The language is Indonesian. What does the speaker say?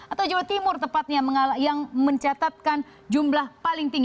atau jawa timur tepatnya yang mencatatkan jumlah paling tinggi